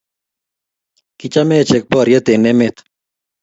Kichame echek boriet en emet